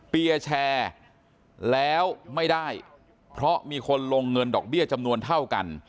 เปียร์แชร์แล้วไม่ได้เพราะมีคนลงเงินดอกเบี้ยจำนวนเท่ากัน